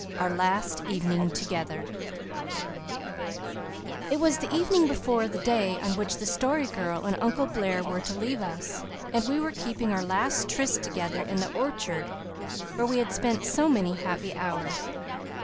OUR LAST EVENING TOGETHER IT was the evening before the day on which the Story Girl and Uncle Blair were to leave us, and we were keeping our last tryst together in the orchard where we had spent so many happy hours.